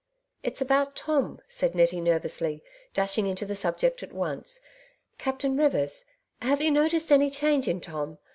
" It^s about Tom," said Nettie nervously, dashing into the subject at once. *' Captain Eivers, have you noticed any change in Tom